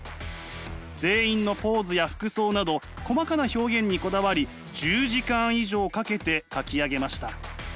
全員のポーズや服装など細かな表現にこだわり１０時間以上かけて描き上げました。